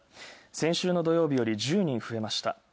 先週の土曜日より１０人増えました。